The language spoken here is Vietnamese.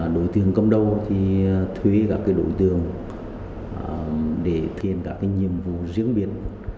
đối tượng công đô thì thuê các đối tượng để thiên các nhiệm vụ riêng biến